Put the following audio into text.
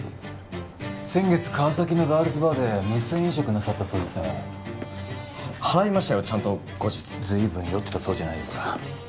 先月川崎のガールズバーで無銭飲食なさったそうですねは払いましたよちゃんと後日随分酔ってたそうじゃないですか